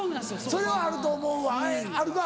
それはあると思うわあるか？